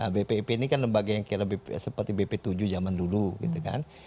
bpip ini kan lembaga yang kira seperti bp tujuh zaman dulu gitu kan